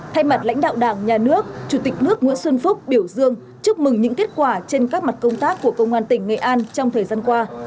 thay mặt lãnh đạo đảng nhà nước chủ tịch nước nguyễn xuân phúc biểu dương chúc mừng những kết quả trên các mặt công tác của công an tỉnh nghệ an trong thời gian qua